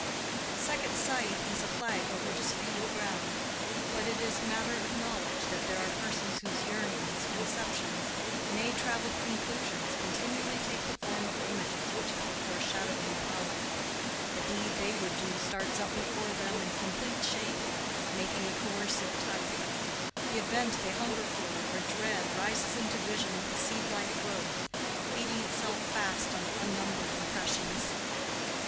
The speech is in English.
"Second sight" is a flag over disputed ground. But it is matter of knowledge that there are persons whose yearnings, conceptions—nay, traveled conclusions—continually take the form of images which have a foreshadowing power; the deed they would do starts up before them in complete shape, making a coercive type; the event they hunger for or dread rises into vision with a seed like growth, feeding itself fast on unnumbered impressions.